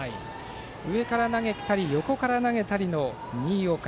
上から投げたり横から投げたりの新岡。